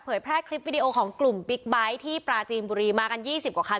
แพร่คลิปวิดีโอของกลุ่มบิ๊กไบท์ที่ปราจีนบุรีมากัน๒๐กว่าคัน